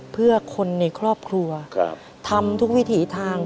เพื่อคนในครอบครัวทำทุกวิถีทาง